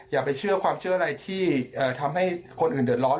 อย่าไปเชื่อความเชื่ออะไรที่ทำให้คนอื่นเดือดร้อน